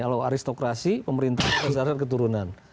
kalau aristokrasi pemerintahan dasar keturunan